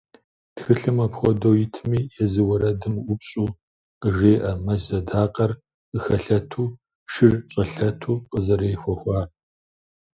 Тхылъым апхуэдэу итми, езы уэрэдым ӏупщӏу къыжеӏэ «мэз адакъэр къыхэлъэту, шыр щӏэлъэту» къызэрехуэхар.